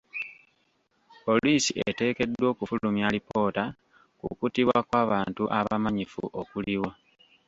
Poliisi eteekeddwa okufulumya alipoota ku kuttibwa kw'abantu abamanyifu okuliwo.